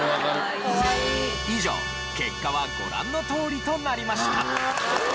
以上結果はご覧のとおりとなりました。